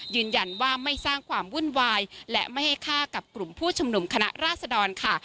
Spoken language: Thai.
ยืนยันว่าไม่สร้างความวุ่นวายและไม่ให้ฆ่ากับกลุ่มผู้ชุมนุมคณะราษดรค่ะ